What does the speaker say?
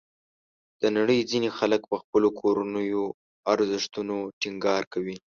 د نړۍ ځینې خلک په خپلو کورنیو ارزښتونو ټینګار کوي.